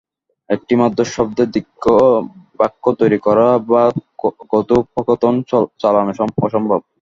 একটিমাত্র শব্দে দীর্ঘ বাক্য তৈরি করা বা কথোপকথন চালানো অসম্ভব।